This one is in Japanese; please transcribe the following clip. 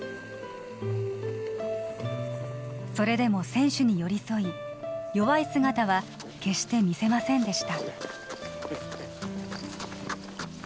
それでも選手に寄り添い弱い姿は決して見せませんでした